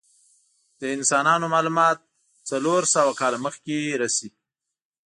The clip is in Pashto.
د انسانانو معلومات څلور سوه کاله مخکې رسی.